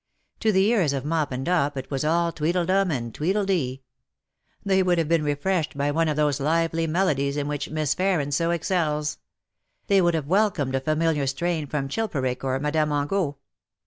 To the ears of Mop and Dop it was all tweedledum and tweedledee. They would have been refreshed by one of those lively melodies in which Miss Farren so excels; they would have welcomed a familiar strain from Chilperic or Madame Angot.